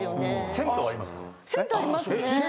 銭湯ありますね。